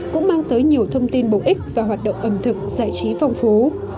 cũng mang tới nhiều thông tin bổ ích và hoạt động ẩm thực giải trí phong phú